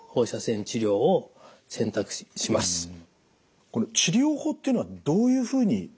この治療法っていうのはどういうふうに選択していくものなんですか？